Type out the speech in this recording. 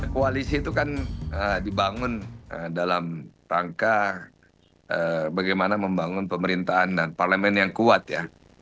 koalisi itu kan dibangun dalam rangka bagaimana membangun pemerintahan dan parlemen yang kuat ya